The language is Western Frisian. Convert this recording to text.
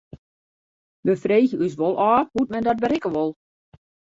We freegje ús wol ôf hoe't men dat berikke wol.